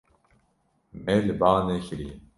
Me li ba nekiriye.